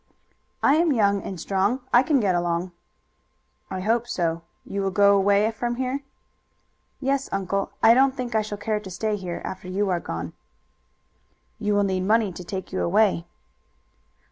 "I am young and strong. I can get along." "I hope so. You will go away from here?" "Yes, uncle. I don't think I shall care to stay here after you are gone." "You will need money to take you away."